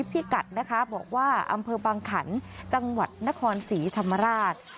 พี่กัดนะคะบอกว่าอำเภอบางขันจังหวัดนครศรีธรรมราช